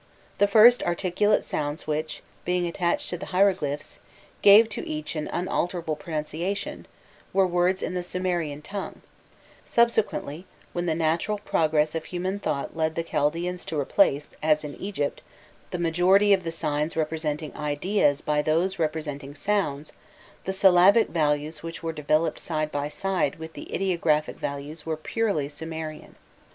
The first articulate sounds which, being attached to the hieroglyphs, gave to each an unalterable pronunciation, were words in the Sumerian tongue; subsequently, when the natural progress of human thought led thi Chaldaeans to replace, as in Egypt, the majority of the signs representing ideas by those representing sounds, the syllabic values which were developed side by side with the ideographic values were purely Sumerian.